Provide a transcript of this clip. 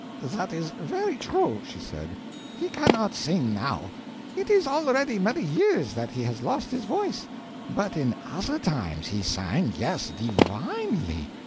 "That is very true," she said; "he cannot sing now; it is already many years that he has lost his voice, but in other times he sang, yes, divinely!